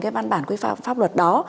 cái văn bản quy phạm pháp luật đó